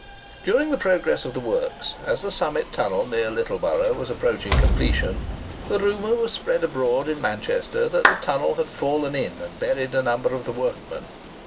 During the progress of the works, as the Summit Tunnel, near Littleborough, was approaching completion, the rumour was spread abroad in Manchester that the tunnel had fallen in and buried a number of the workmen.